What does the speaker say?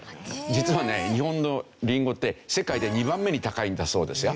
実はね日本のりんごって世界で２番目に高いんだそうですよ。